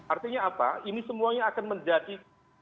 artinya apa ini semuanya akan menjadi